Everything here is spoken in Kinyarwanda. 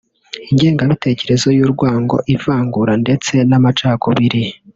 Ingengabitekerezo y’urwango ivangura ndetse n’ amacakubiri